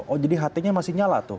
oh jadi ht nya masih nyala tuh